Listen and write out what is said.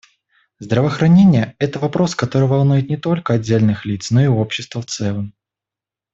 Здравоохранение — это вопрос, который волнует не только отдельных лиц, но и общество в целом.